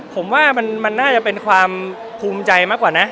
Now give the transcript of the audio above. ผมว่ามันน่าจะเป็นความภูมิใจมากกว่านะ